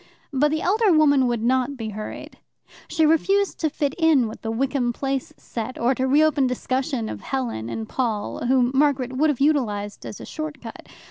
But the elder woman would not be hurried. She refused to fit in with the Wickham Place set, or to reopen discussion of Helen and Paul, whom Margaret would have utilized as a short cut.